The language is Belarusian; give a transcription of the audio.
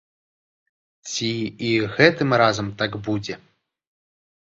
Ці і гэтым разам так будзе?